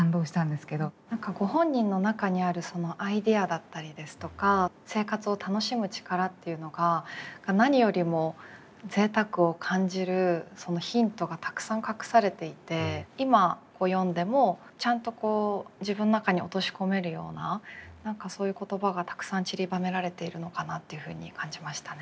何かご本人の中にあるそのアイデアだったりですとか生活を楽しむ力っていうのが何よりも贅沢を感じるそのヒントがたくさん隠されていて今読んでもちゃんとこう自分の中に落とし込めるような何かそういう言葉がたくさんちりばめられているのかなというふうに感じましたね。